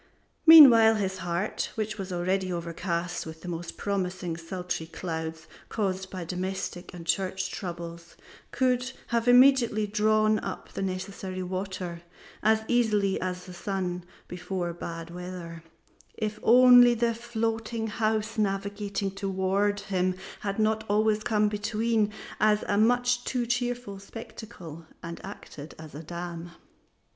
Meanwhile his heart, which was already overcast with the most promising sultry clouds caused by domestic and church troubles, could have immediately drawn up the necessary water, as easily as the sun before bad weather, if only the floating house navigating toward him had not always come between as a much too cheerful spectacle, and acted as a dam.